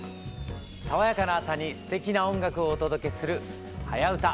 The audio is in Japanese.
爽やかな朝にすてきな音楽をお届けする「はやウタ」。